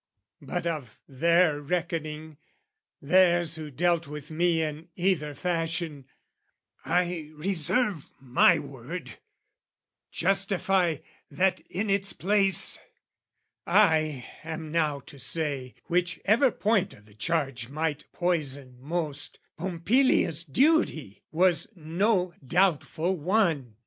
But of their reckoning, theirs who dealt with me In either fashion, I reserve my word, Justify that in its place; I am now to say, Whichever point o' the charge might poison most, Pompilia's duty was no doubtful one.